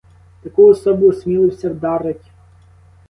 Таку особу осмілився вдарить.